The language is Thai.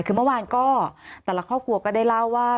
คือเมื่อวานก็แต่ละครอบครัวก็ได้เล่าว่า